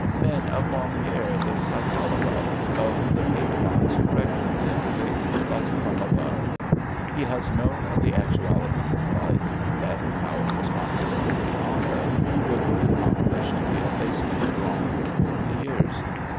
Men of long hair, the psychologues of the paint pots, correct him tenderly, but from above. He has known of the actualities of life — ^Death, Power, Eesponsibility, ' Honour — ^the Good ac complished, the effacement of Wrong for forty years.